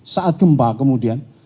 saat gempa kemudian